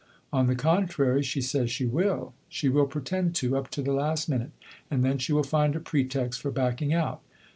'On the contrary, she says she will.' 'She will pretend to, up to the last minute; and then she will find a pretext for backing out.